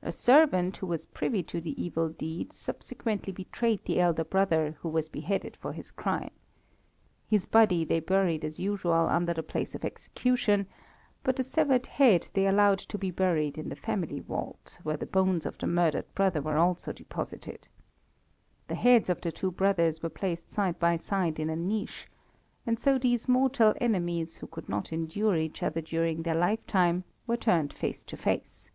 A servant who was privy to the evil deed subsequently betrayed the elder brother, who was beheaded for his crime. His body they buried as usual under the place of execution, but the severed head they allowed to be buried in the family vault, where the bones of the murdered brother were also deposited. The heads of the two brothers were placed side by side in a niche, and so these mortal enemies, who could not endure each other during their life time, were turned face to face.